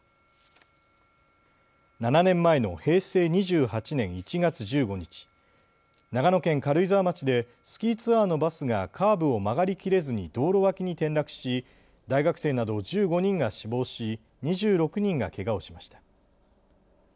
７年前の平成２８年１月１５日、長野県軽井沢町でスキーツアーのバスがカーブを曲がりきれずに道路脇に転落し大学生など１５人が死亡し２６人がけがをしました。